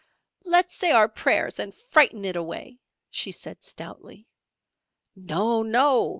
"Let's say our prayers and frighten it away," she said, stoutly. "No! No!"